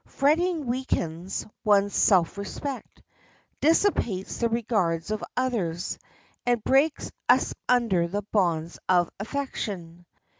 Fretting weakens one's self respect, dissipates the regards of others, and breaks asunder the bonds of affection.